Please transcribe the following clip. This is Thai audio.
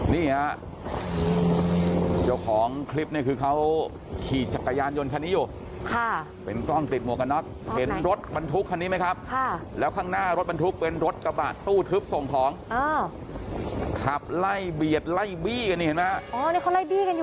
นี่ฮะเจ้าของคลิปเนี่ยคือเขาขี่จักรยานยนต์คันนี้อยู่ค่ะเป็นกล้องติดหมวกกันน็อกเห็นรถบรรทุกคันนี้ไหมครับแล้วข้างหน้ารถบรรทุกเป็นรถกระบะตู้ทึบส่งของขับไล่เบียดไล่บี้กันนี่เห็นไหมฮะอ๋อนี่เขาไล่บี้กันอยู่